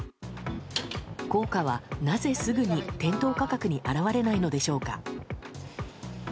効果は、なぜすぐに店頭価格に表れないのでしょうか。